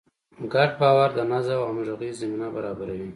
ګډ باور د نظم او همغږۍ زمینه برابروي.